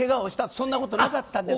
そんなことなかったですか？